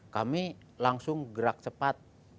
kami langsung gerak cepat